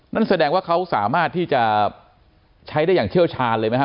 นั่นแสดงว่าเขาสามารถที่จะใช้ได้อย่างเชี่ยวชาญเลยไหมครับ